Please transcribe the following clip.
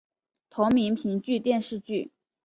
同名评剧电视剧